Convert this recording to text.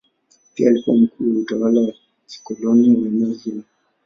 Pia alikuwa mkuu wa utawala wa kikoloni wa eneo hilo.